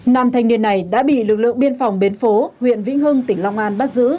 nam thanh niên này đã bị lực lượng biên phòng bến phố huyện vĩnh hưng tỉnh long an bắt giữ